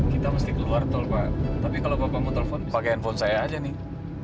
kita mesti keluar tol pak tapi kalau bapak mau telepon pakai handphone saya aja nih